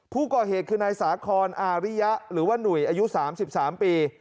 ผู้ก่อเหตุคือนายสาคอนอาริยะหรือว่าหนุ่ยอายุ๓๓ปี